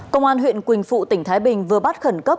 công an huyện quỳnh phụ tỉnh thái bình vừa bắt khẩn cấp